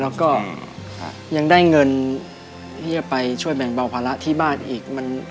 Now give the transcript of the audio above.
แล้วก็ยังได้เงินที่จะไปช่วยแบ่งเบาภาระที่บ้านอีก